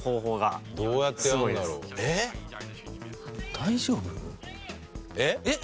大丈夫？